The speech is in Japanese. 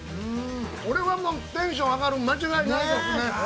これはテンション上がること間違いないですね。